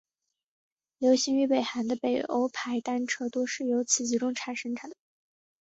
流行于北韩的海鸥牌单车多是由此集中营生产。